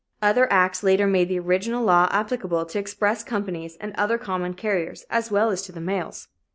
Other acts later made the original law applicable to express companies and other common carriers, as well as to the mails.